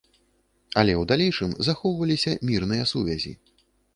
Але ў далейшым захоўваліся мірныя сувязі.